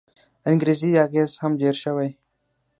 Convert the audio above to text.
د انګرېزي اغېز هم ډېر شوی.